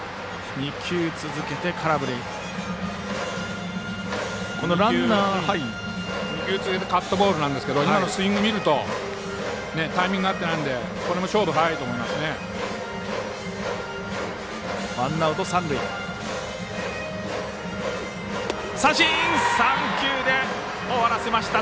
２球続けてカットボールなんですけど今のスイングを見るとタイミングが合っていないのでこれも勝負早いと思いますね。